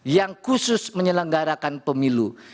yang khusus menyelenggarakan pemilu